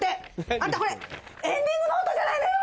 あんたこれエンディングノートじゃないのよ！